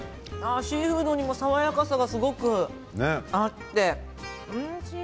シーフードに爽やかさがすごくあっておいしい。